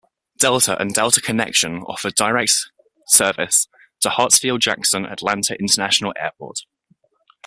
Delta and Delta Connection offer direct service to Hartsfield-Jackson Atlanta International Airport.